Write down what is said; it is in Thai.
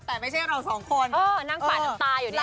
แต่ไม่ใช่เราสองคนเออนั่งสระน้ำตายอยู่เนี้ย